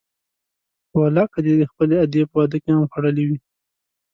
په والله که دې د خپلې ادې په واده کې هم خوړلي وي.